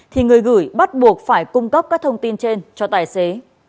thì người gửi bắt buộc phải cung cấp các thông tin trên cho tài xế